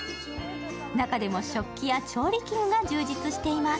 中でも食器や調理器具が充実しています。